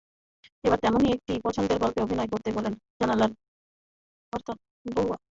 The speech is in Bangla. এবার তেমনই একটি পছন্দের গল্পে অভিনয় করছেন বলে জানালেন পার্থ বড়ুয়া।